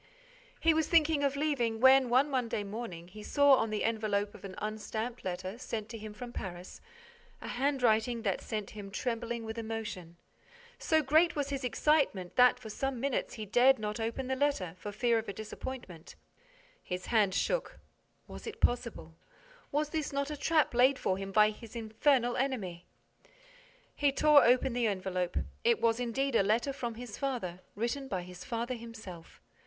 He was thinking of leaving, when, one Monday morning, he saw, on the envelope of an unstamped letter, sent on to him from Paris, a handwriting that set him trembling with emotion. So great was his excitement that, for some minutes, he dared not open the letter, for fear of a disappointment. His hand shook. Was it possible? Was this not a trap laid for him by his infernal enemy? He tore open the envelope. It was indeed a letter from his father, written by his father himself.